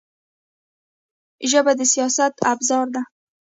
ژبه د سیاست ابزار ده